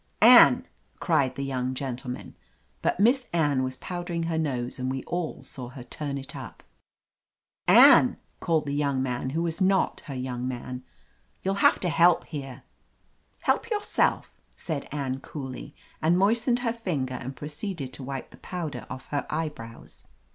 "Anne!" cried the young gentleman. But Miss Anne was powdering her nose and we all saw her turn it up. "Anne !" called the yoimg man who was not her young man, "youll have to help here." "Help yourself," said Anne coolly, and, moistening her finger, she proceeded to wipe the powder off her eyebrows.